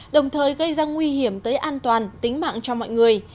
đồng thời gây ra nguy hiểm tới an toàn tính mạng cho mọi người